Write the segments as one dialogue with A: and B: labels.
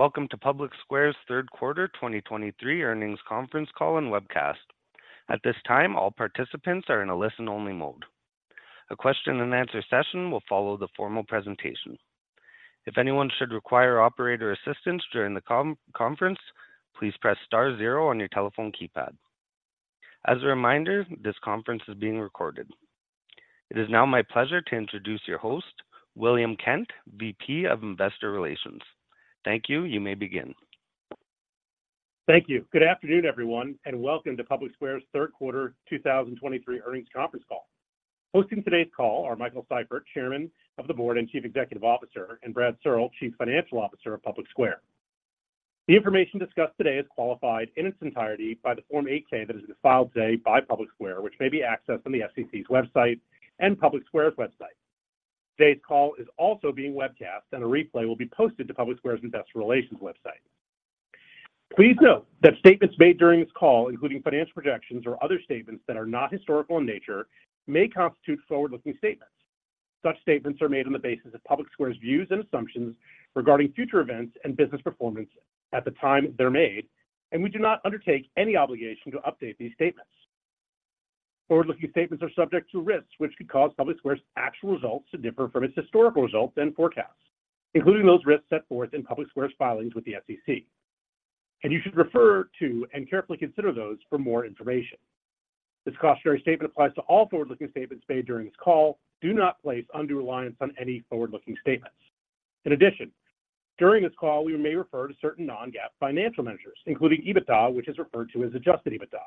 A: Welcome to PublicSquare's third quarter 2023 Earnings Conference Call and webcast. At this time, all participants are in a listen-only mode. A question and answer session will follow the formal presentation. If anyone should require operator assistance during the conference, please press star zero on your telephone keypad. As a reminder, this conference is being recorded. It is now my pleasure to introduce your host, William Kent, VP of Investor Relations. Thank you. You may begin.
B: Thank you. Good afternoon, everyone, and welcome to PublicSquare's third quarter 2023 earnings conference call. Hosting today's call are Michael Seifert, Chairman of the Board and Chief Executive Officer, and Brad Searle, Chief Financial Officer of PublicSquare. The information discussed today is qualified in its entirety by the Form 8-K that has been filed today by PublicSquare, which may be accessed on the SEC's website and PublicSquare's website. Today's call is also being webcast, and a replay will be posted to PublicSquare's Investor Relations website. Please note that statements made during this call, including financial projections or other statements that are not historical in nature, may constitute forward-looking statements. Such statements are made on the basis of PublicSquare's views and assumptions regarding future events and business performance at the time they're made, and we do not undertake any obligation to update these statements. Forward-looking statements are subject to risks, which could cause PublicSquare's actual results to differ from its historical results and forecasts, including those risks set forth in PublicSquare's filings with the SEC, and you should refer to and carefully consider those for more information. This cautionary statement applies to all forward-looking statements made during this call. Do not place undue reliance on any forward-looking statements. In addition, during this call, we may refer to certain non-GAAP financial measures, including EBITDA, which is referred to as Adjusted EBITDA.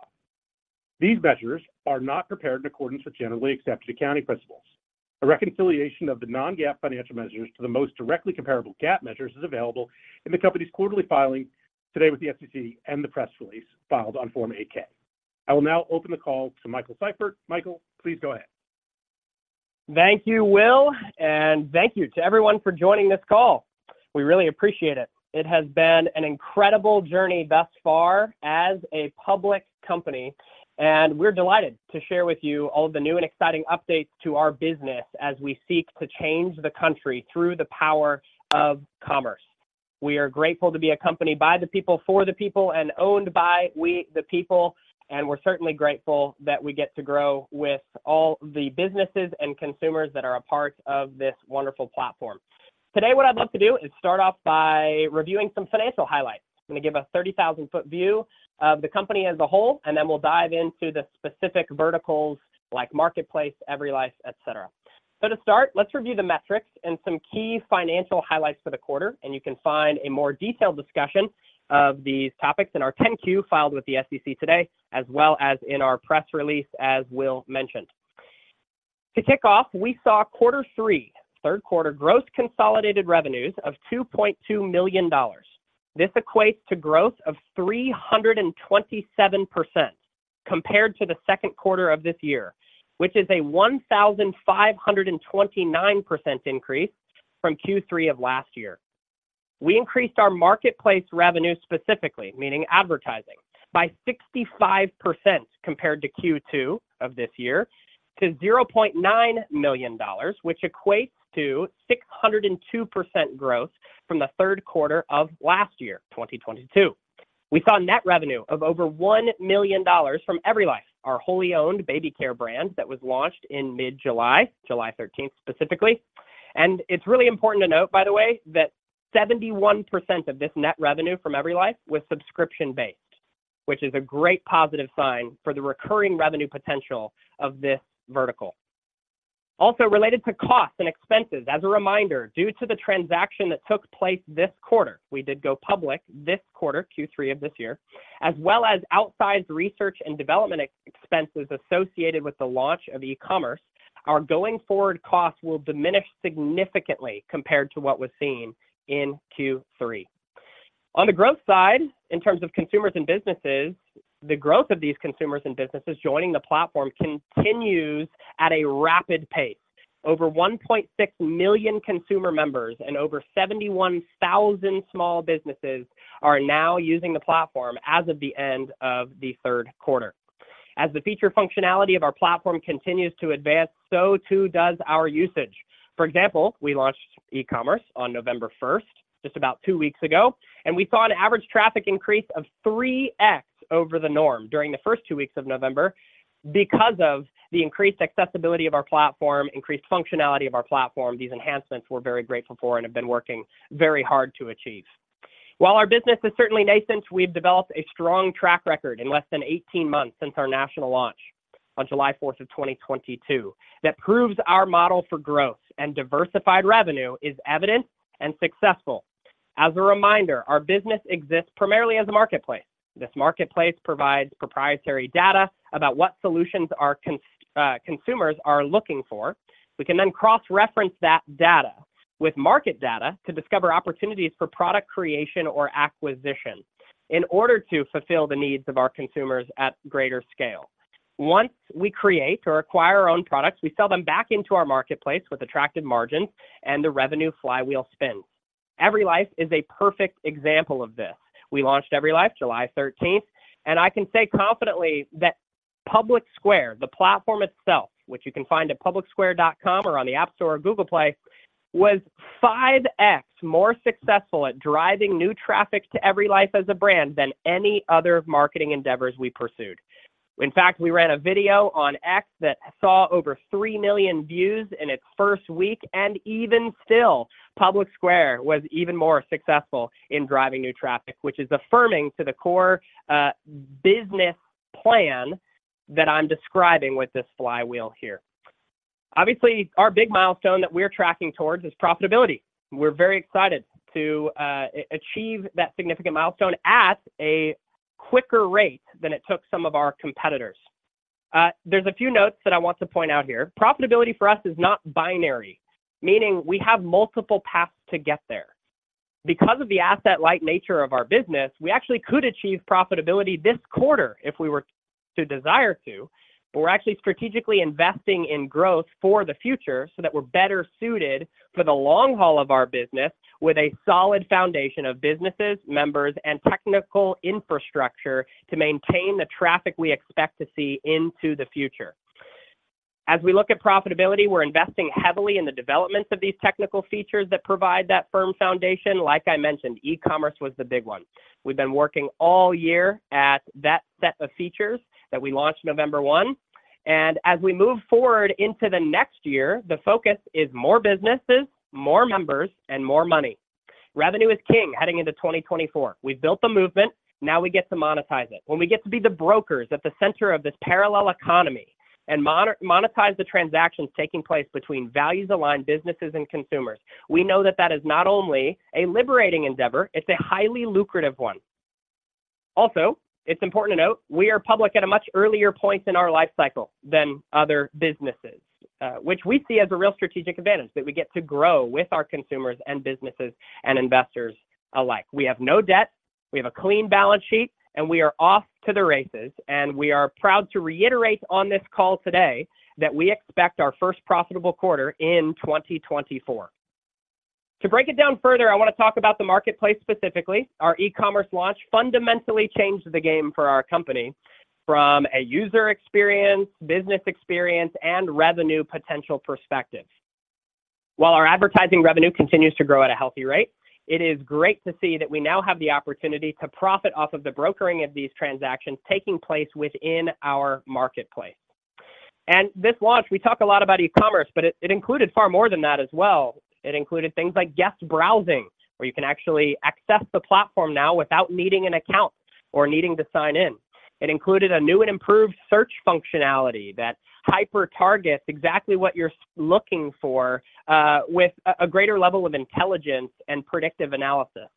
B: These measures are not prepared in accordance with generally accepted accounting principles. A reconciliation of the non-GAAP financial measures to the most directly comparable GAAP measures is available in the company's quarterly filing today with the SEC and the press release filed on Form 8-K. I will now open the call to Michael Seifert. Michael, please go ahead.
C: Thank you, Will, and thank you to everyone for joining this call. We really appreciate it. It has been an incredible journey thus far as a public company, and we're delighted to share with you all the new and exciting updates to our business as we seek to change the country through the power of commerce. We are grateful to be a company by the people, for the people, and owned by we, the people, and we're certainly grateful that we get to grow with all the businesses and consumers that are a part of this wonderful platform. Today, what I'd love to do is start off by reviewing some financial highlights. I'm gonna give a 30,000-foot view of the company as a whole, and then we'll dive into the specific verticals like Marketplace, EveryLife, et cetera. So to start, let's review the metrics and some key financial highlights for the quarter, and you can find a more detailed discussion of these topics in our 10-Q filed with the SEC today, as well as in our press release, as Will mentioned. To kick off, we saw quarter three, third quarter gross consolidated revenues of $2.2 million. This equates to growth of 327% compared to the second quarter of this year, which is a 1,529% increase from Q3 of last year. We increased our marketplace revenue specifically, meaning advertising, by 65% compared to Q2 of this year to $0.9 million, which equates to 602% growth from the third quarter of last year, 2022. We saw net revenue of over $1 million from EveryLife, our wholly owned baby care brand that was launched in mid-July, July thirteenth, specifically. And it's really important to note, by the way, that 71% of this net revenue from EveryLife was subscription-based, which is a great positive sign for the recurring revenue potential of this vertical. Also, related to costs and expenses, as a reminder, due to the transaction that took place this quarter, we did go public this quarter, Q3 of this year, as well as outsized research and development expenses associated with the launch of e-commerce, our going forward costs will diminish significantly compared to what was seen in Q3. On the growth side, in terms of consumers and businesses, the growth of these consumers and businesses joining the platform continues at a rapid pace. Over 1.6 million consumer members and over 71,000 small businesses are now using the platform as of the end of the third quarter. As the feature functionality of our platform continues to advance, so too does our usage. For example, we launched e-commerce on November 1, just about 2 weeks ago, and we saw an average traffic increase of 3x over the norm during the first 2 weeks of November because of the increased accessibility of our platform, increased functionality of our platform. These enhancements we're very grateful for and have been working very hard to achieve. While our business is certainly nascent, we've developed a strong track record in less than 18 months since our national launch on July 4, 2022, that proves our model for growth and diversified revenue is evident and successful. As a reminder, our business exists primarily as a marketplace. This marketplace provides proprietary data about what solutions our consumers are looking for. We can then cross-reference that data with market data to discover opportunities for product creation or acquisition in order to fulfill the needs of our consumers at greater scale. Once we create or acquire our own products, we sell them back into our marketplace with attractive margins and the revenue flywheel spins. EveryLife is a perfect example of this. We launched EveryLife July 13, and I can say confidently that PublicSquare, the platform itself, which you can find at publicsquare.com or on the App Store or Google Play, was 5x more successful at driving new traffic to EveryLife as a brand than any other marketing endeavors we pursued. In fact, we ran a video on X that saw over 3 million views in its first week, and even still, PublicSquare was even more successful in driving new traffic, which is affirming to the core business plan that I'm describing with this flywheel here. Obviously, our big milestone that we're tracking towards is profitability. We're very excited to achieve that significant milestone at a quicker rate than it took some of our competitors. There's a few notes that I want to point out here. Profitability for us is not binary, meaning we have multiple paths to get there. Because of the asset-light nature of our business, we actually could achieve profitability this quarter if we were to desire to, but we're actually strategically investing in growth for the future so that we're better suited for the long haul of our business with a solid foundation of businesses, members, and technical infrastructure to maintain the traffic we expect to see into the future. As we look at profitability, we're investing heavily in the developments of these technical features that provide that firm foundation. Like I mentioned, e-commerce was the big one. We've been working all year at that set of features that we launched November 1, and as we move forward into the next year, the focus is more businesses, more members, and more money. Revenue is king heading into 2024. We've built the movement, now we get to monetize it. When we get to be the brokers at the center of this parallel economy and monetize the transactions taking place between values-aligned businesses and consumers, we know that that is not only a liberating endeavor, it's a highly lucrative one. Also, it's important to note we are public at a much earlier point in our life cycle than other businesses, which we see as a real strategic advantage, that we get to grow with our consumers and businesses and investors alike. We have no debt, we have a clean balance sheet, and we are off to the races, and we are proud to reiterate on this call today that we expect our first profitable quarter in 2024. To break it down further, I wanna talk about the marketplace specifically. Our e-commerce launch fundamentally changed the game for our company from a user experience, business experience, and revenue potential perspective. While our advertising revenue continues to grow at a healthy rate, it is great to see that we now have the opportunity to profit off of the brokering of these transactions taking place within our marketplace. This launch, we talk a lot about e-commerce, but it, it included far more than that as well. It included things like guest browsing, where you can actually access the platform now without needing an account or needing to sign in. It included a new and improved search functionality that hyper-targets exactly what you're looking for, with a greater level of intelligence and predictive analysis,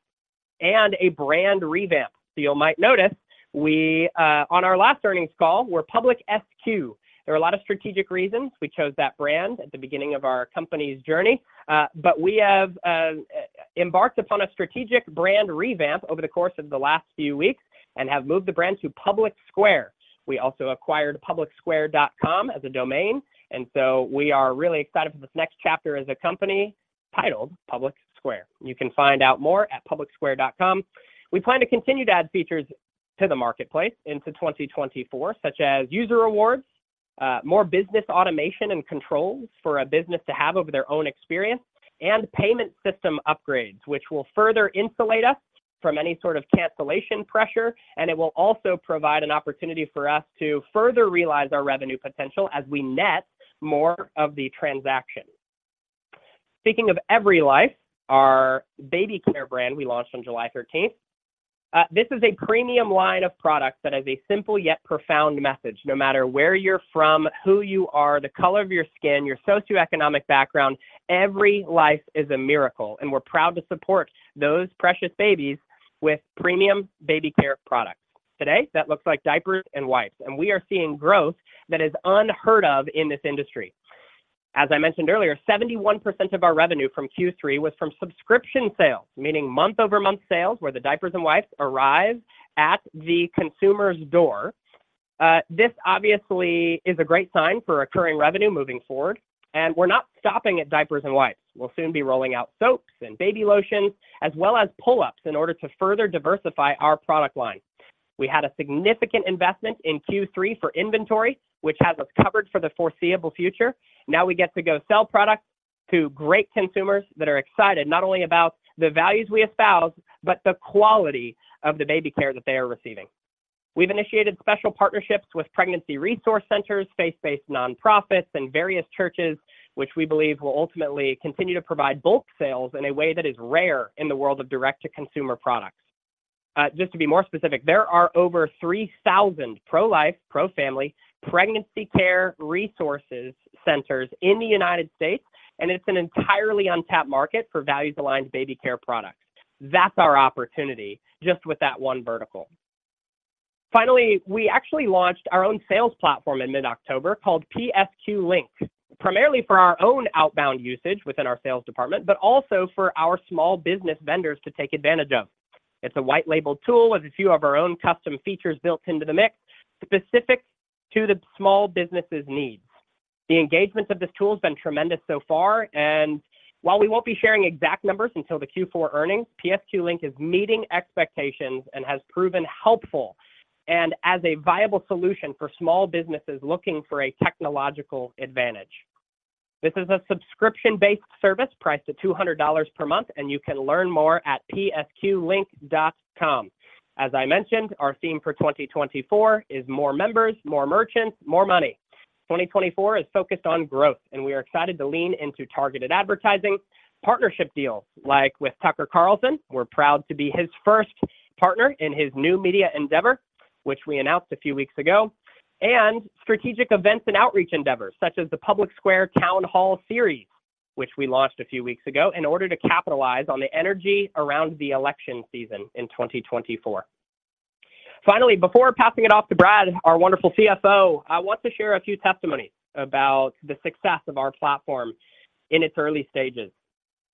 C: and a brand revamp. So you might notice we, on our last earnings call, we're PublicSquare. There were a lot of strategic reasons we chose that brand at the beginning of our company's journey, but we have embarked upon a strategic brand revamp over the course of the last few weeks and have moved the brand to Public Square. We also acquired publicsquare.com as a domain, and so we are really excited for this next chapter as a company titled Public Square. You can find out more at publicsquare.com. We plan to continue to add features to the marketplace into 2024, such as user rewards, more business automation and controls for a business to have over their own experience, and payment system upgrades, which will further insulate us from any sort of cancellation pressure, and it will also provide an opportunity for us to further realize our revenue potential as we net more of the transactions. Speaking of EveryLife, our baby care brand we launched on July 13th. This is a premium line of products that has a simple yet profound message: no matter where you're from, who you are, the color of your skin, your socioeconomic background, every life is a miracle, and we're proud to support those precious babies with premium baby care products. Today, that looks like diapers and wipes, and we are seeing growth that is unheard of in this industry. As I mentioned earlier, 71% of our revenue from Q3 was from subscription sales, meaning month-over-month sales, where the diapers and wipes arrive at the consumer's door. This obviously is a great sign for recurring revenue moving forward, and we're not stopping at diapers and wipes. We'll soon be rolling out soaps and baby lotions, as well as pull-ups, in order to further diversify our product line. We had a significant investment in Q3 for inventory, which has us covered for the foreseeable future. Now we get to go sell products to great consumers that are excited not only about the values we espouse, but the quality of the baby care that they are receiving. We've initiated special partnerships with pregnancy resource centers, faith-based nonprofits, and various churches, which we believe will ultimately continue to provide bulk sales in a way that is rare in the world of direct-to-consumer products. Just to be more specific, there are over 3,000 pro-life, pro-family, pregnancy care resource centers in the United States, and it's an entirely untapped market for values-aligned baby care products. That's our opportunity, just with that one vertical. Finally, we actually launched our own sales platform in mid-October called PSQ Link, primarily for our own outbound usage within our sales department, but also for our small business vendors to take advantage of. It's a white label tool with a few of our own custom features built into the mix, specific to the small business' needs. The engagement of this tool has been tremendous so far, and while we won't be sharing exact numbers until the Q4 earnings, PSQ Link is meeting expectations and has proven helpful, and as a viable solution for small businesses looking for a technological advantage. This is a subscription-based service priced at $200 per month, and you can learn more at psqlink.com. As I mentioned, our theme for 2024 is more members, more merchants, more money. 2024 is focused on growth, and we are excited to lean into targeted advertising, partnership deals, like with Tucker Carlson. We're proud to be his first partner in his new media endeavor, which we announced a few weeks ago, and strategic events and outreach endeavors, such as the PublicSquare Town Hall Series, which we launched a few weeks ago, in order to capitalize on the energy around the election season in 2024. Finally, before passing it off to Brad, our wonderful CFO, I want to share a few testimonies about the success of our platform in its early stages.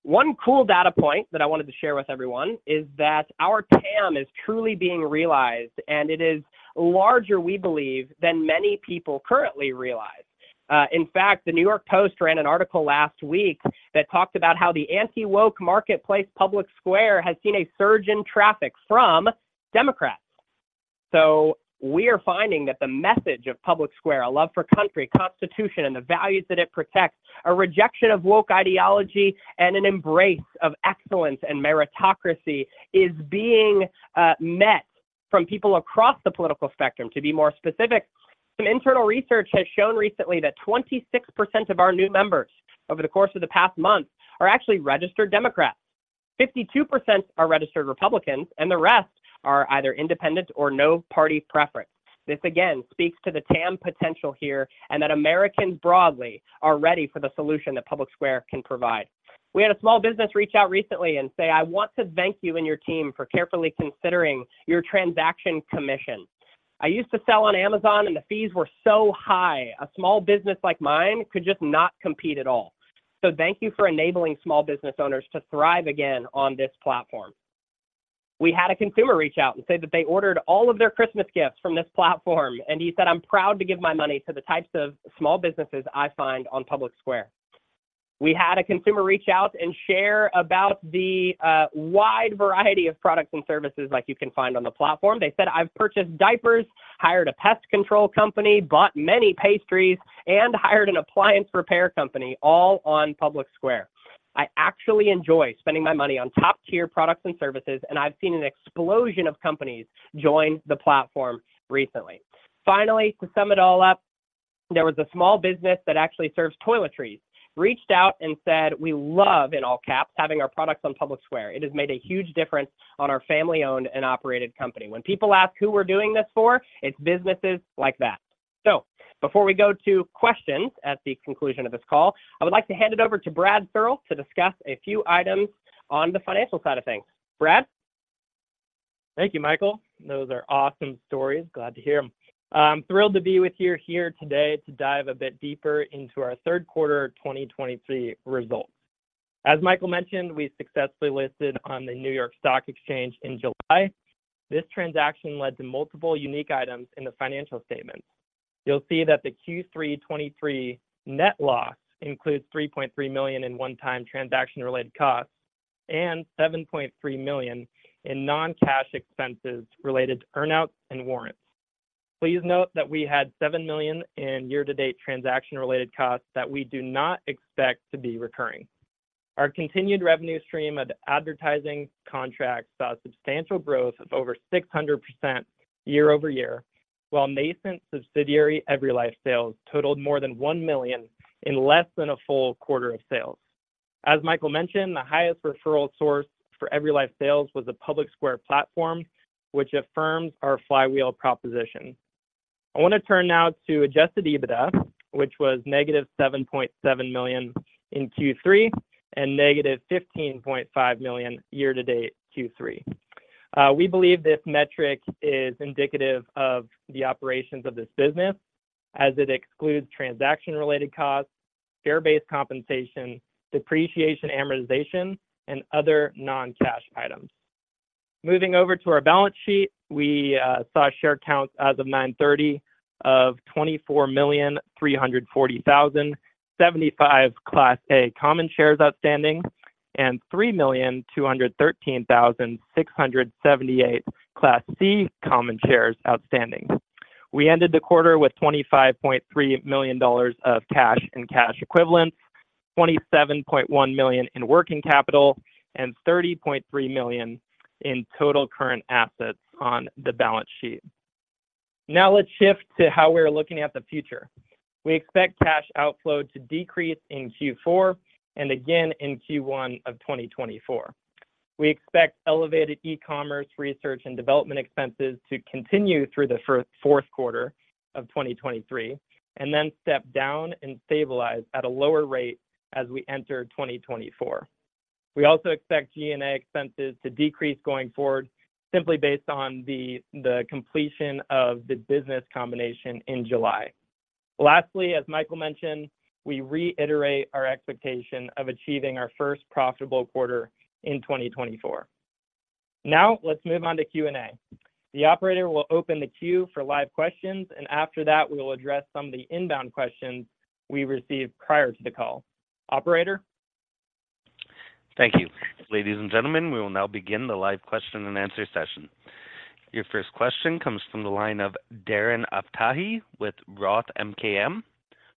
C: One cool data point that I wanted to share with everyone is that our TAM is truly being realized, and it is larger, we believe, than many people currently realize. In fact, the New York Post ran an article last week that talked about how the anti-woke marketplace, PublicSquare, has seen a surge in traffic from Democrats. So we are finding that the message of PublicSquare, a love for country, Constitution, and the values that it protects, a rejection of woke ideology and an embrace of excellence and meritocracy, is being met from people across the political spectrum. To be more specific, some internal research has shown recently that 26% of our new members over the course of the past month are actually registered Democrats. 52% are registered Republicans, and the rest are either independent or no party preference. This again speaks to the TAM potential here, and that Americans broadly are ready for the solution that PublicSquare can provide. We had a small business reach out recently and say, "I want to thank you and your team for carefully considering your transaction commission. I used to sell on Amazon, and the fees were so high, a small business like mine could just not compete at all. So thank you for enabling small business owners to thrive again on this platform." We had a consumer reach out and say that they ordered all of their Christmas gifts from this platform, and he said, "I'm proud to give my money to the types of small businesses I find on PublicSquare." We had a consumer reach out and share about the wide variety of products and services like you can find on the platform. They said, "I've purchased diapers, hired a pest control company, bought many pastries, and hired an appliance repair company all on PublicSquare. I actually enjoy spending my money on top-tier products and services, and I've seen an explosion of companies join the platform recently. Finally, to sum it all up, there was a small business that actually serves toiletries, reached out and said, "We love," in all caps, "having our products on PublicSquare. It has made a huge difference on our family-owned and operated company." When people ask who we're doing this for, it's businesses like that. So before we go to questions at the conclusion of this call, I would like to hand it over to Brad Searle to discuss a few items on the financial side of things. Brad?
D: Thank you, Michael. Those are awesome stories. Glad to hear them. I'm thrilled to be with you here today to dive a bit deeper into our third quarter 2023 results. As Michael mentioned, we successfully listed on the New York Stock Exchange in July. This transaction led to multiple unique items in the financial statements. You'll see that the Q3 2023 net loss includes $3.3 million in one-time transaction-related costs and $7.3 million in non-cash expenses related to earn-outs and warrants. Please note that we had $7 million in year-to-date transaction-related costs that we do not expect to be recurring. Our continued revenue stream of advertising contracts saw substantial growth of over 600% year-over-year, while nascent subsidiary, EveryLife Sales, totaled more than $1 million in less than a full quarter of sales. As Michael mentioned, the highest referral source for EveryLife Sales was the PublicSquare platform, which affirms our flywheel proposition. I want to turn now to Adjusted EBITDA, which was negative $7.7 million in Q3, and negative $15.5 million year to date, Q3. We believe this metric is indicative of the operations of this business, as it excludes transaction-related costs, share-based compensation, depreciation, amortization, and other non-cash items. Moving over to our balance sheet, we saw a share count as of 9/30 of 24,340,075 Class A common shares outstanding, and 3,213,678 Class C common shares outstanding. We ended the quarter with $25.3 million of cash and cash equivalents, $27.1 million in working capital, and $30.3 million in total current assets on the balance sheet. Now let's shift to how we're looking at the future. We expect cash outflow to decrease in Q4 and again in Q1 of 2024. We expect elevated e-commerce research and development expenses to continue through the fourth quarter of 2023, and then step down and stabilize at a lower rate as we enter 2024. We also expect G&A expenses to decrease going forward simply based on the completion of the business combination in July. Lastly, as Michael mentioned, we reiterate our expectation of achieving our first profitable quarter in 2024. Now, let's move on to Q&A. The operator will open the queue for live questions, and after that, we will address some of the inbound questions we received prior to the call. Operator?
A: Thank you. Ladies and gentlemen, we will now begin the live question-and-answer session. Your first question comes from the line of Darren Aftahi with Roth MKM.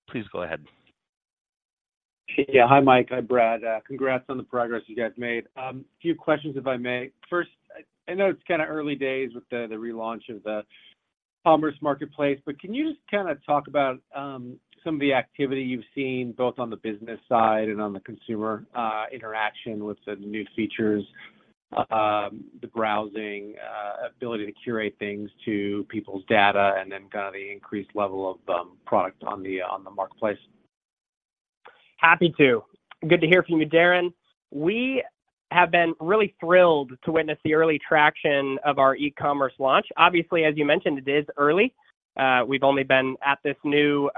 A: Please go ahead.
E: Yeah. Hi, Mike. Hi, Brad. Congrats on the progress you guys made. A few questions, if I may. First, I know it's kinda early days with the relaunch of the commerce marketplace, but can you just kinda talk about some of the activity you've seen, both on the business side and on the consumer interaction with the new features, the browsing ability to curate things to people's data, and then kinda the increased level of product on the marketplace?
C: Happy to. Good to hear from you, Darren. We have been really thrilled to witness the early traction of our e-commerce launch. Obviously, as you mentioned, it is early. We've only been at this new,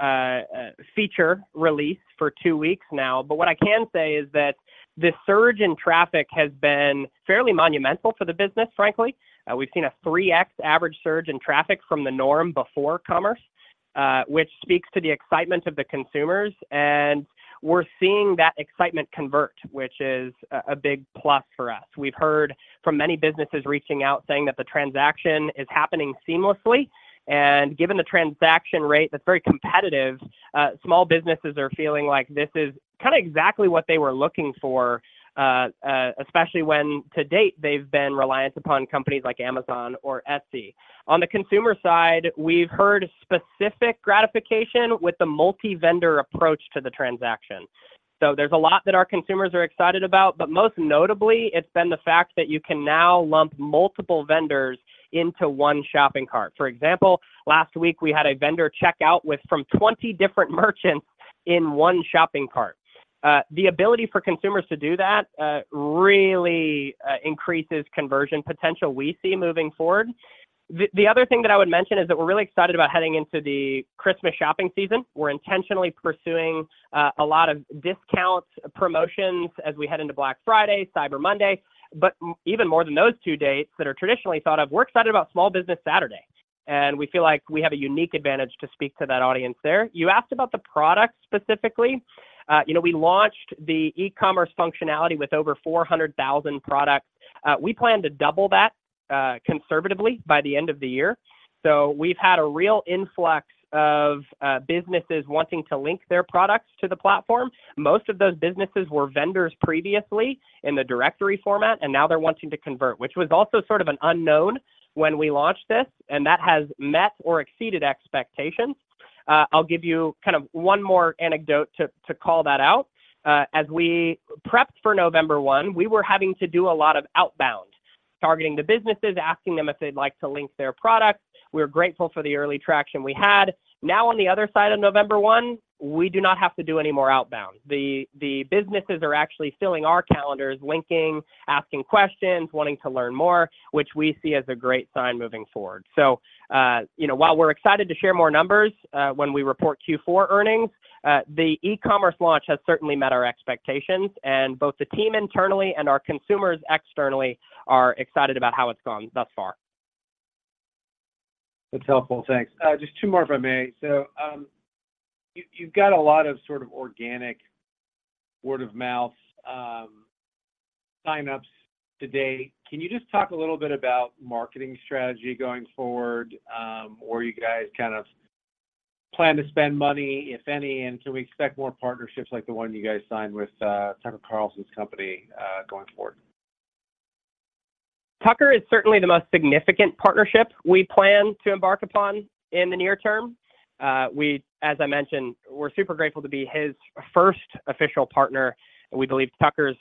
C: feature release for 2 weeks now. But what I can say is that the surge in traffic has been fairly monumental for the business, frankly. We've seen a 3x average surge in traffic from the norm before commerce, which speaks to the excitement of the consumers, and we're seeing that excitement convert, which is a big plus for us. We've heard from many businesses reaching out, saying that the transaction is happening seamlessly, and given the transaction rate, that's very competitive. Small businesses are feeling like this is kinda exactly what they were looking for, especially when, to date, they've been reliant upon companies like Amazon or Etsy. On the consumer side, we've heard specific gratification with the multi-vendor approach to the transaction. So there's a lot that our consumers are excited about, but most notably, it's been the fact that you can now lump multiple vendors into one shopping cart. For example, last week, we had a vendor check out with from 20 different merchants in one shopping cart. The ability for consumers to do that, really, increases conversion potential we see moving forward. The other thing that I would mention is that we're really excited about heading into the Christmas shopping season. We're intentionally pursuing a lot of discounts, promotions as we head into Black Friday, Cyber Monday, but even more than those two dates that are traditionally thought of, we're excited about Small Business Saturday, and we feel like we have a unique advantage to speak to that audience there. You asked about the product specifically. You know, we launched the e-commerce functionality with over 400,000 products. We plan to double that, conservatively by the end of the year. So we've had a real influx of businesses wanting to link their products to the platform. Most of those businesses were vendors previously in the directory format, and now they're wanting to convert, which was also sort of an unknown when we launched this, and that has met or exceeded expectations. I'll give you kind of one more anecdote to call that out. As we prepped for November 1, we were having to do a lot of outbound, targeting the businesses, asking them if they'd like to link their products. We're grateful for the early traction we had. Now, on the other side of November 1, we do not have to do any more outbound. The businesses are actually filling our calendars, linking, asking questions, wanting to learn more, which we see as a great sign moving forward. So, you know, while we're excited to share more numbers, when we report Q4 earnings, the e-commerce launch has certainly met our expectations, and both the team internally and our consumers externally are excited about how it's gone thus far.
E: That's helpful. Thanks. Just two more, if I may. So, you've got a lot of sort of organic word-of-mouth sign-ups to date. Can you just talk a little bit about marketing strategy going forward, or you guys kind of plan to spend money, if any, and can we expect more partnerships like the one you guys signed with Tucker Carlson's company going forward?
C: Tucker is certainly the most significant partnership we plan to embark upon in the near term. We, as I mentioned, we're super grateful to be his first official partner. We believe Tucker's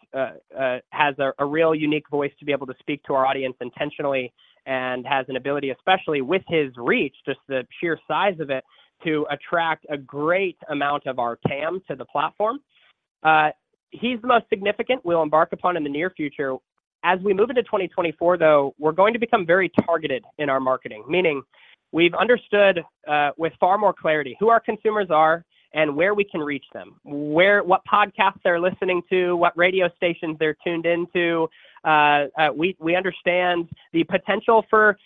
C: has a real unique voice to be able to speak to our audience intentionally and has an ability, especially with his reach, just the sheer size of it, to attract a great amount of our TAM to the platform. He's the most significant we'll embark upon in the near future. As we move into 2024, though, we're going to become very targeted in our marketing, meaning we've understood with far more clarity who our consumers are and where we can reach them, where what podcasts they're listening to, what radio stations they're tuned into. We understand the potential for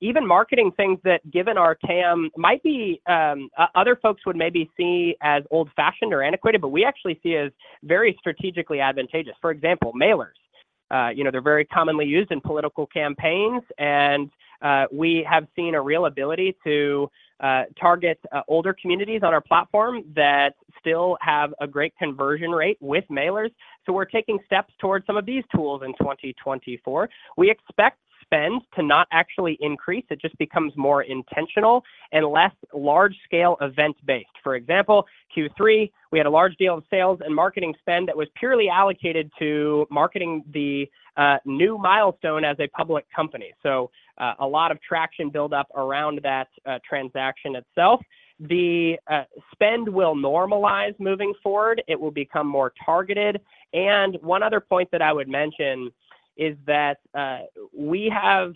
C: even marketing things that, given our TAM, might be other folks would maybe see as old-fashioned or antiquated, but we actually see as very strategically advantageous. For example, mailers, you know, they're very commonly used in political campaigns, and we have seen a real ability to target older communities on our platform that still have a great conversion rate with mailers. So we're taking steps towards some of these tools in 2024. We expect spend to not actually increase. It just becomes more intentional and less large-scale event-based. For example, Q3, we had a large deal of sales and marketing spend that was purely allocated to marketing the new milestone as a public company, so a lot of traction build-up around that transaction itself. The spend will normalize moving forward. It will become more targeted, and one other point that I would mention is that we have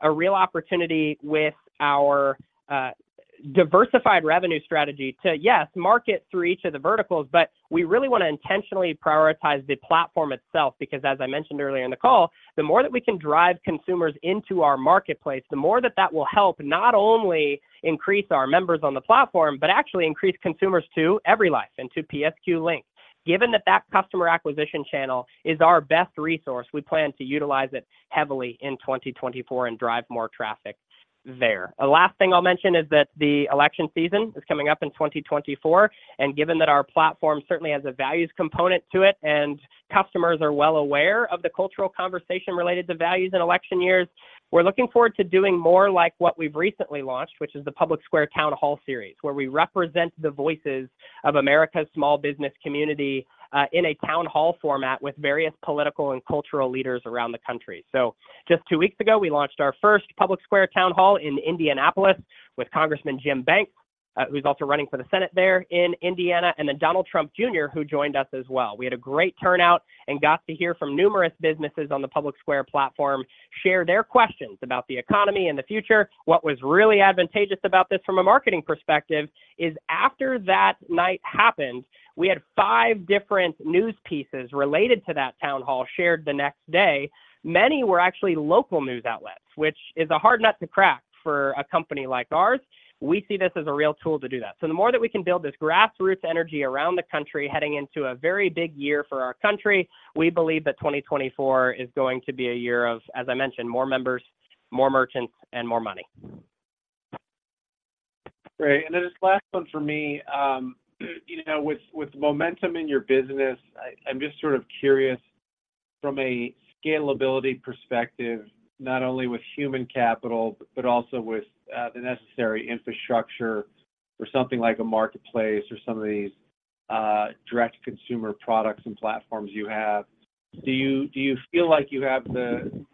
C: a real opportunity with our diversified revenue strategy to, yes, market through each of the verticals, but we really want to intentionally prioritize the platform itself, because as I mentioned earlier in the call, the more that we can drive consumers into our marketplace, the more that that will help not only increase our members on the platform, but actually increase consumers to EveryLife and to PSQ Link. Given that that customer acquisition channel is our best resource, we plan to utilize it heavily in 2024 and drive more traffic there. The last thing I'll mention is that the election season is coming up in 2024, and given that our platform certainly has a values component to it, and customers are well aware of the cultural conversation related to values in election years, we're looking forward to doing more like what we've recently launched, which is the Public Square Town Hall series, where we represent the voices of America's small business community in a town hall format with various political and cultural leaders around the country. So just two weeks ago, we launched our first Public Square Town Hall in Indianapolis with Congressman Jim Banks, who's also running for the Senate there in Indiana, and then Donald Trump Jr. who joined us as well. We had a great turnout and got to hear from numerous businesses on the PublicSquare platform share their questions about the economy and the future. What was really advantageous about this from a marketing perspective is after that night happened, we had five different news pieces related to that town hall shared the next day. Many were actually local news outlets, which is a hard nut to crack for a company like ours. We see this as a real tool to do that. So the more that we can build this grassroots energy around the country heading into a very big year for our country, we believe that 2024 is going to be a year of, as I mentioned, more members, more merchants, and more money.
E: Great. And then this last one for me, you know, with momentum in your business, I'm just sort of curious from a scalability perspective, not only with human capital, but also with the necessary infrastructure for something like a marketplace or some of these direct consumer products and platforms you have, do you feel like you have the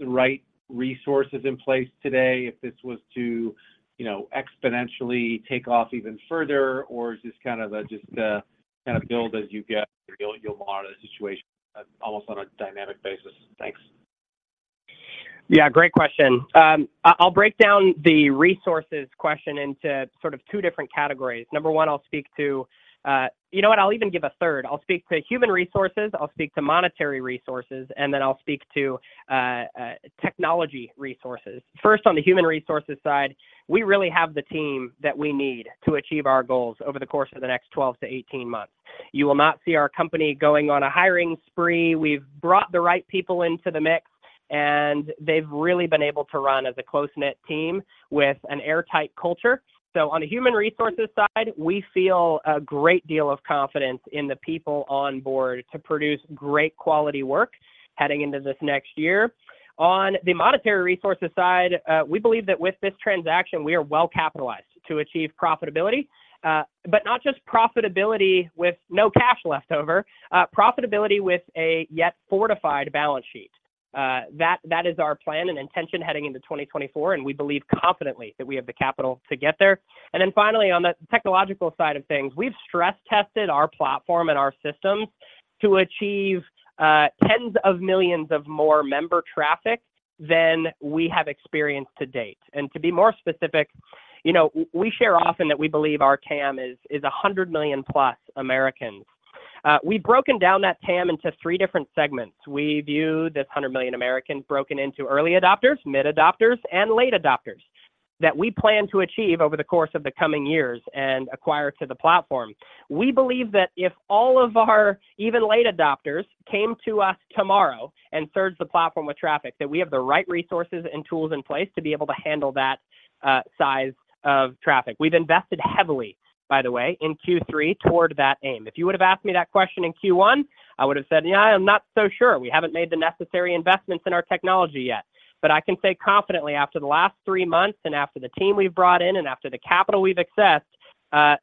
E: right resources in place today if this was to, you know, exponentially take off even further? Or is this kind of a just a kind of build as you get, you'll monitor the situation almost on a dynamic basis? Thanks.
C: Yeah, great question. I'll break down the resources question into sort of two different categories. Number one, I'll speak to... You know what? I'll even give a third. I'll speak to human resources, I'll speak to monetary resources, and then I'll speak to technology resources. First, on the human resources side, we really have the team that we need to achieve our goals over the course of the next 12 to 18 months. You will not see our company going on a hiring spree. We've brought the right people into the mix, and they've really been able to run as a close-knit team with an airtight culture. So on the human resources side, we feel a great deal of confidence in the people on board to produce great quality work heading into this next year. On the monetary resources side, we believe that with this transaction, we are well capitalized to achieve profitability, but not just profitability with no cash left over, profitability with a yet fortified balance sheet. That is our plan and intention heading into 2024, and we believe confidently that we have the capital to get there. And then finally, on the technological side of things, we've stress-tested our platform and our systems to achieve tens of millions of more member traffic than we have experienced to date. And to be more specific, you know, we share often that we believe our TAM is 100 million-plus Americans. We've broken down that TAM into three different segments. We view this 100 million Americans broken into early adopters, mid adopters, and late adopters that we plan to achieve over the course of the coming years and acquire to the platform. We believe that if all of our even late adopters came to us tomorrow and surged the platform with traffic, that we have the right resources and tools in place to be able to handle that size of traffic. We've invested heavily, by the way, in Q3 toward that aim. If you would have asked me that question in Q1, I would have said, "Yeah, I'm not so sure. We haven't made the necessary investments in our technology yet." But I can say confidently, after the last three months and after the team we've brought in and after the capital we've accessed,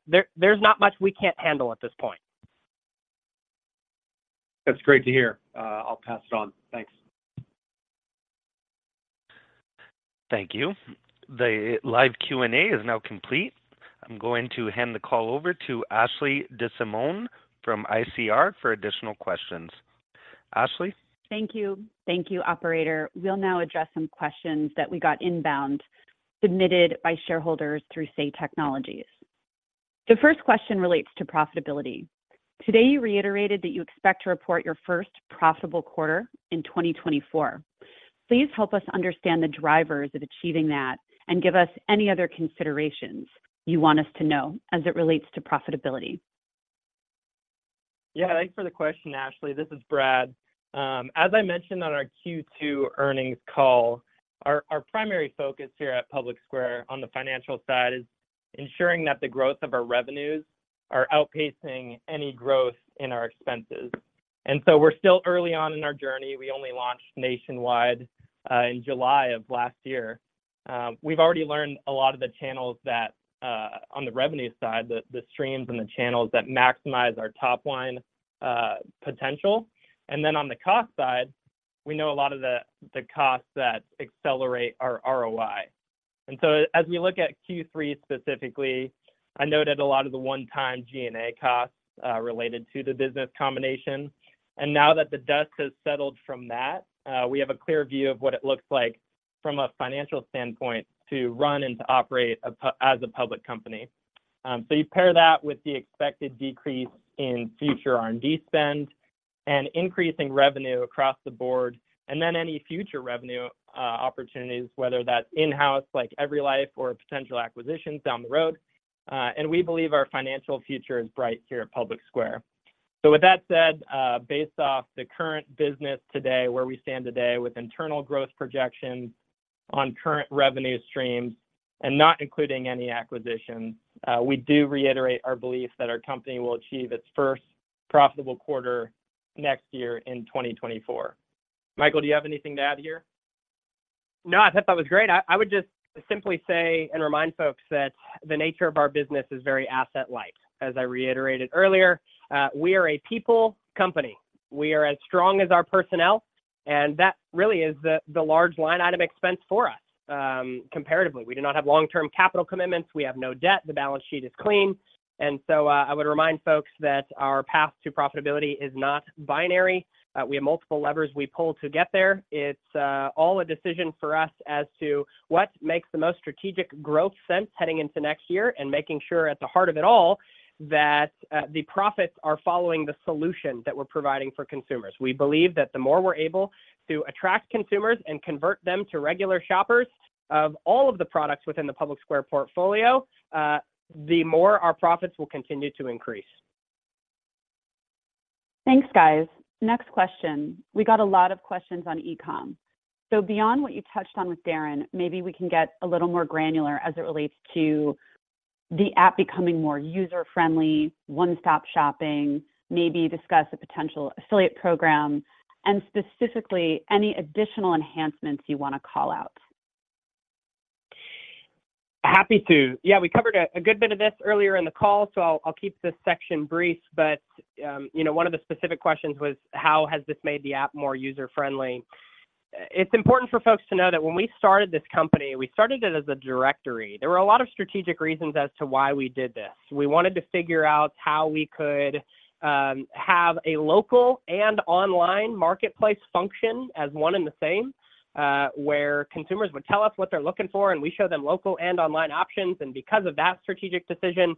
C: there's not much we can't handle at this point.
E: That's great to hear. I'll pass it on. Thanks.
A: Thank you. The live Q&A is now complete. I'm going to hand the call over to Ashley DeSimone from ICR for additional questions. Ashley?
F: Thank you. Thank you, operator. We'll now address some questions that we got inbound, submitted by shareholders through Say Technologies. The first question relates to profitability. Today, you reiterated that you expect to report your first profitable quarter in 2024. Please help us understand the drivers of achieving that and give us any other considerations you want us to know as it relates to profitability.
D: Yeah, thanks for the question, Ashley. This is Brad. As I mentioned on our Q2 earnings call, our primary focus here at PublicSquare on the financial side is ensuring that the growth of our revenues are outpacing any growth in our expenses. And so we're still early on in our journey. We only launched nationwide in July of last year. We've already learned a lot of the channels that, on the revenue side, the streams and the channels that maximize our top-line potential. And then on the cost side, we know a lot of the costs that accelerate our ROI. And so as we look at Q3 specifically, I noted a lot of the one-time G&A costs related to the business combination. And now that the dust has settled from that, we have a clear view of what it looks like from a financial standpoint to run and to operate as a public company. So you pair that with the expected decrease in future R&D spend and increasing revenue across the board, and then any future revenue opportunities, whether that's in-house, like EveryLife, or potential acquisitions down the road, and we believe our financial future is bright here at PublicSquare. So with that said, based off the current business today, where we stand today with internal growth projections on current revenue streams and not including any acquisitions, we do reiterate our belief that our company will achieve its first profitable quarter next year in 2024. Michael, do you have anything to add here?
C: No, I thought that was great. I would just simply say and remind folks that the nature of our business is very asset-light. As I reiterated earlier, we are a people company. We are as strong as our personnel, and that really is the large line item expense for us, comparatively. We do not have long-term capital commitments. We have no debt. The balance sheet is clean. And so, I would remind folks that our path to profitability is not binary. We have multiple levers we pull to get there. It's all a decision for us as to what makes the most strategic growth sense heading into next year and making sure at the heart of it all, that the profits are following the solution that we're providing for consumers. We believe that the more we're able to attract consumers and convert them to regular shoppers of all of the products within the PublicSquare portfolio, the more our profits will continue to increase.
F: Thanks, guys. Next question. We got a lot of questions on e-com. So beyond what you touched on with Darren, maybe we can get a little more granular as it relates to the app becoming more user-friendly, one-stop shopping, maybe discuss a potential affiliate program, and specifically, any additional enhancements you want to call out.
C: Happy to. Yeah, we covered a good bit of this earlier in the call, so I'll keep this section brief. But you know, one of the specific questions was, how has this made the app more user-friendly? It's important for folks to know that when we started this company, we started it as a directory. There were a lot of strategic reasons as to why we did this. We wanted to figure out how we could have a local and online marketplace function as one and the same, where consumers would tell us what they're looking for, and we show them local and online options. And because of that strategic decision,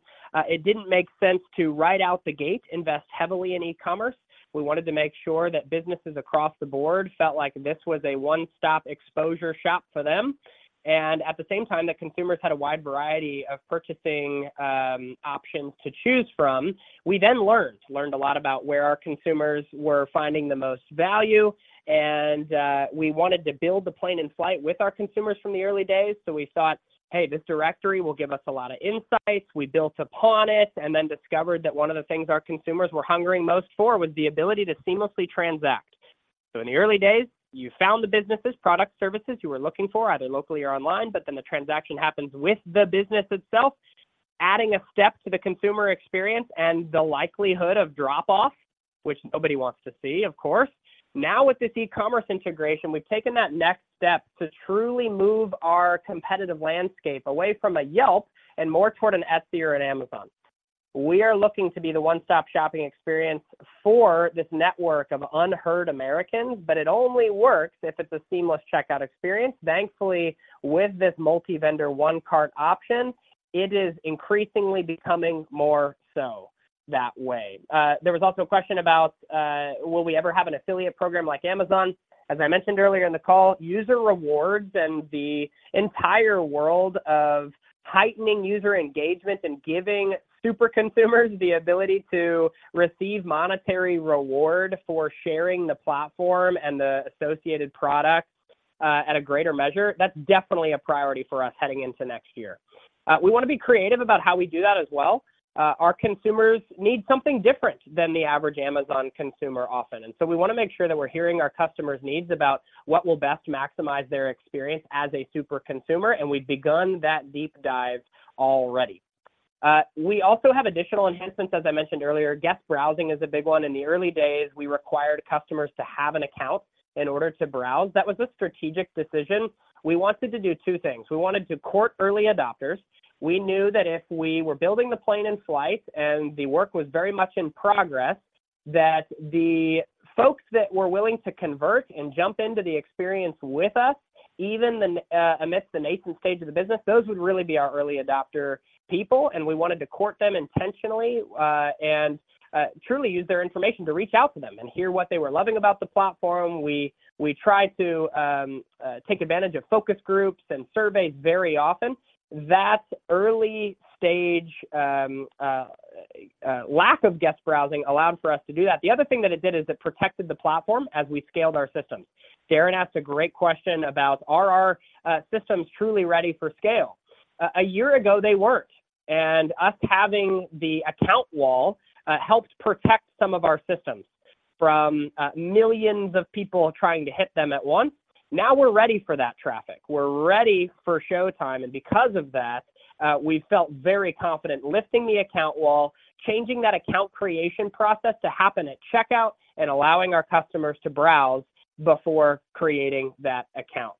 C: it didn't make sense to, right out the gate, invest heavily in e-commerce. We wanted to make sure that businesses across the board felt like this was a one-stop exposure shop for them, and at the same time, that consumers had a wide variety of purchasing options to choose from. We then learned a lot about where our consumers were finding the most value, and we wanted to build the plane in flight with our consumers from the early days. So we thought, "Hey, this directory will give us a lot of insights." We built upon it and then discovered that one of the things our consumers were hungering most for was the ability to seamlessly transact. So in the early days, you found the businesses, products, services you were looking for, either locally or online, but then the transaction happens with the business itself, adding a step to the consumer experience and the likelihood of drop-off, which nobody wants to see, of course. Now, with this e-commerce integration, we've taken that next step to truly move our competitive landscape away from a Yelp and more toward an Etsy or an Amazon. We are looking to be the one-stop shopping experience for this network of unheard Americans, but it only works if it's a seamless checkout experience. Thankfully, with this multi-vendor, one-cart option, it is increasingly becoming more so that way. There was also a question about will we ever have an affiliate program like Amazon? As I mentioned earlier in the call, user rewards and the entire world of heightening user engagement and giving super consumers the ability to receive monetary reward for sharing the platform and the associated products, at a greater measure, that's definitely a priority for us heading into next year. We want to be creative about how we do that as well. Our consumers need something different than the average Amazon consumer often, and so we want to make sure that we're hearing our customers' needs about what will best maximize their experience as a super consumer, and we've begun that deep dive already. We also have additional enhancements, as I mentioned earlier. Guest browsing is a big one. In the early days, we required customers to have an account in order to browse. That was a strategic decision. We wanted to do two things. We wanted to court early adopters. We knew that if we were building the plane in flight and the work was very much in progress, that the folks that were willing to convert and jump into the experience with us, even the, amidst the nascent stage of the business, those would really be our early adopter people, and we wanted to court them intentionally, and, truly use their information to reach out to them and hear what they were loving about the platform. We tried to take advantage of focus groups and surveys very often. That early stage, lack of guest browsing allowed for us to do that. The other thing that it did is it protected the platform as we scaled our systems. Darren asked a great question about, are our, systems truly ready for scale? A year ago, they weren't, and us having the account wall helped protect some of our systems from millions of people trying to hit them at once. Now, we're ready for that traffic. We're ready for showtime, and because of that, we felt very confident lifting the account wall, changing that account creation process to happen at checkout, and allowing our customers to browse before creating that account.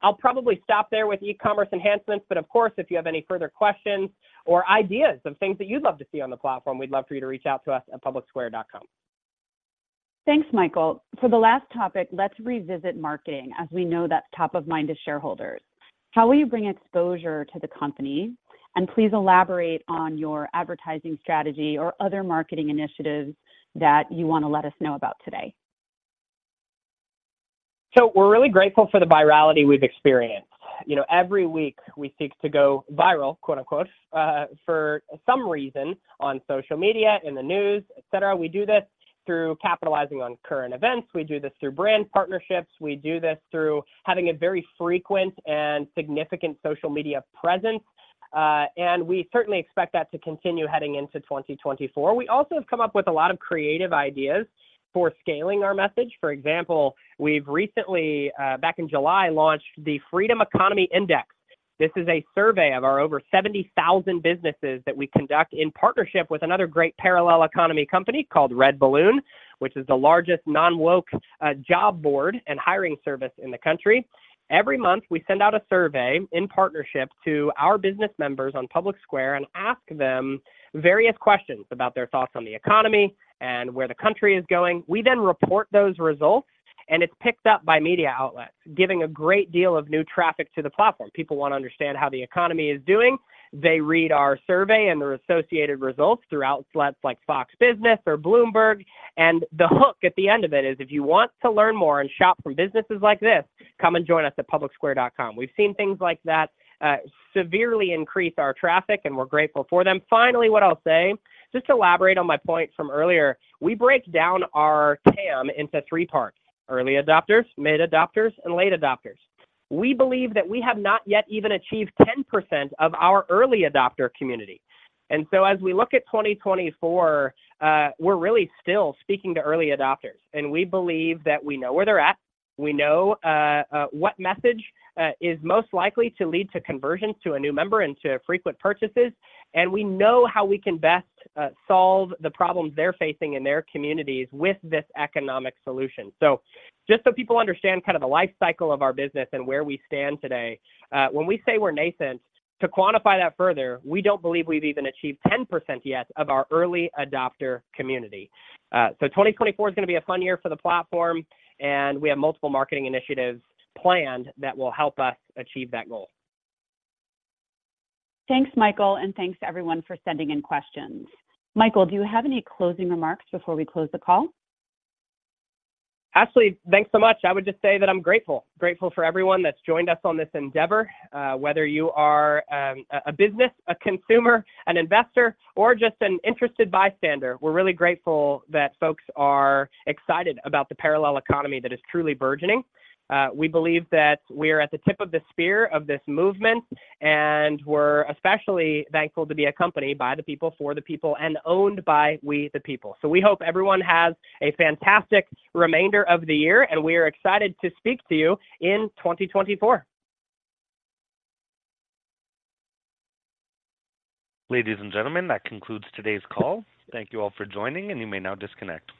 C: I'll probably stop there with e-commerce enhancements, but of course, if you have any further questions or ideas of things that you'd love to see on the platform, we'd love for you to reach out to us at publicsquare.com.
F: Thanks, Michael. For the last topic, let's revisit marketing, as we know that's top of mind to shareholders. How will you bring exposure to the company? And please elaborate on your advertising strategy or other marketing initiatives that you wanna let us know about today?
C: So we're really grateful for the virality we've experienced. You know, every week we seek to go viral, quote, unquote, for some reason on social media, in the news, et cetera. We do this through capitalizing on current events. We do this through brand partnerships. We do this through having a very frequent and significant social media presence, and we certainly expect that to continue heading into 2024. We also have come up with a lot of creative ideas for scaling our message. For example, we've recently, back in July, launched the Freedom Economy Index. This is a survey of our over 70,000 businesses that we conduct in partnership with another great parallel economy company called RedBalloon, which is the largest non-woke job board and hiring service in the country. Every month, we send out a survey in partnership to our business members on PublicSquare and ask them various questions about their thoughts on the economy and where the country is going. We then report those results, and it's picked up by media outlets, giving a great deal of new traffic to the platform. People wanna understand how the economy is doing. They read our survey and the associated results through outlets like Fox Business or Bloomberg. The hook at the end of it is, if you want to learn more and shop from businesses like this, come and join us at publicsquare.com. We've seen things like that severely increase our traffic, and we're grateful for them. Finally, what I'll say, just to elaborate on my point from earlier, we break down our TAM into three parts: early adopters, mid adopters, and late adopters. We believe that we have not yet even achieved 10% of our early adopter community. So as we look at 2024, we're really still speaking to early adopters, and we believe that we know where they're at. We know what message is most likely to lead to conversions to a new member and to frequent purchases, and we know how we can best solve the problems they're facing in their communities with this economic solution. So just so people understand kind of the life cycle of our business and where we stand today, when we say we're nascent, to quantify that further, we don't believe we've even achieved 10% yet of our early adopter community. So, 2024 is gonna be a fun year for the platform, and we have multiple marketing initiatives planned that will help us achieve that goal.
F: Thanks, Michael, and thanks to everyone for sending in questions. Michael, do you have any closing remarks before we close the call?
C: Ashley, thanks so much. I would just say that I'm grateful, grateful for everyone that's joined us on this endeavor. Whether you are a business, a consumer, an investor, or just an interested bystander, we're really grateful that folks are excited about the parallel economy that is truly burgeoning. We believe that we are at the tip of the spear of this movement, and we're especially thankful to be a company by the people, for the people, and owned by we, the people. So we hope everyone has a fantastic remainder of the year, and we are excited to speak to you in 2024.
A: Ladies and gentlemen, that concludes today's call. Thank you all for joining, and you may now disconnect.